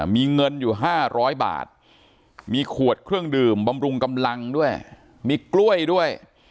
มีเงินอยู่๕๐๐บาทมีขวดเครื่องดื่มบำรุงกำลังด้วยมีกล้วยด้วย